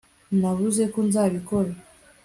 navuze ko nzabikora